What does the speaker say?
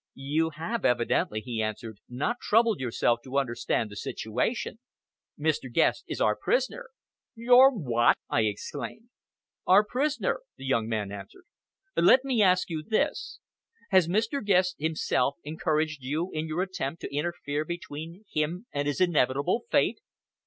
"You have evidently," he answered, "not troubled yourself to understand the situation! Mr. Guest is our prisoner!" "Your what?" I exclaimed. "Our prisoner," the young man answered. "Let me ask you this! Has Mr. Guest himself encouraged you in your attempt to interfere between him and his inevitable fate?